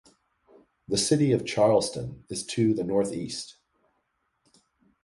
The city of Charleston is to the northeast.